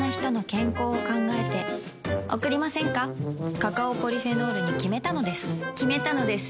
カカオポリフェノールに決めたのです決めたのです。